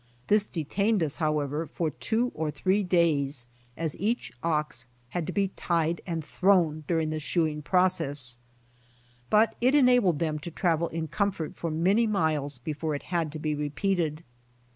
This detained us however for two or three days as each ox had to be tied and throwTi during the shoeing process. But it enabled them to travel in comfort for many miles before it had to be repeated.